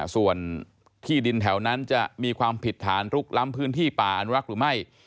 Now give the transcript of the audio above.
ส่วนที่ดินแถวนั้นจะมีความผิดฐานลุกล้ำพื้นที่ป่าอนุรักษ์หรือไม่